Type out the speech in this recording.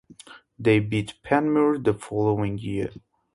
They beat Panmure the following year.